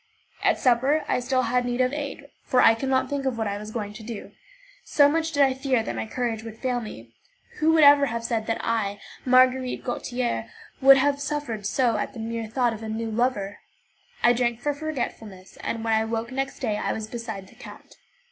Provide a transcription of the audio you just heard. At supper I still had need of aid, for I could not think of what I was going to do, so much did I fear that my courage would fail me. Who would ever have said that I, Marguerite Gautier, would have suffered so at the mere thought of a new lover? I drank for forgetfulness, and when I woke next day I was beside the count.